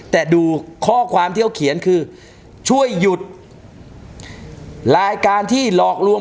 แต่ดูข้อความที่เขาเขียนคือช่วยหยุดรายการที่หลอกลวง